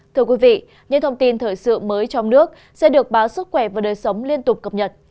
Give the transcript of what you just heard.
thưa quý vị những thông tin thời sự mới trong nước sẽ được báo sức khỏe và đời sống liên tục cập nhật